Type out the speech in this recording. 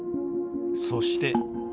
そして。